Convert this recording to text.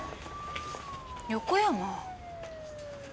横山。